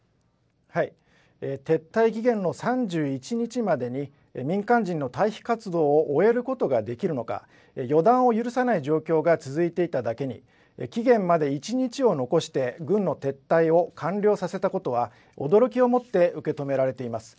撤退期限の３１日までに、民間人の退避活動を終えることができるのか、予断を許さない状況が続いていただけに、期限まで１日を残して軍の撤退を完了させたことは、驚きをもって受け止められています。